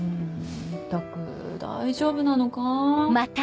ったく大丈夫なのか？